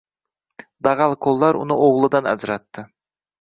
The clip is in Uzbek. Dag‘al qo‘llar uni o‘g‘lidan ajratdi